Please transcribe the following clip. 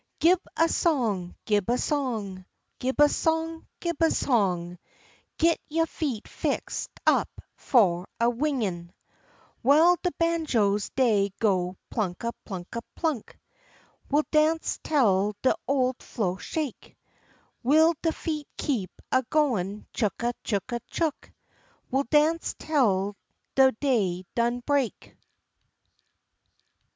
Gib a song, gib a song, Gib a song, gib a song, Git yo' feet fixed up fu' a wingin'. W'ile de banjos dey go plunka, plunka, plunk, We'll dance tel de ole flo' shake; W'ile de feet keep a goin' chooka, chooka, chook, We'll dance tel de day done break.